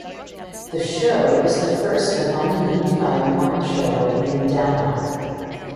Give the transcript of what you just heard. The show is the first and only unified morning show in Mindanao.